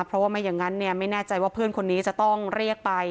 เพราะว่าไม่อย่างนั้นไม่แน่ใจว่าเพื่อนคนนี้จะต้องเรียกไป